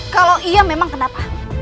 kalau iya memang kenapa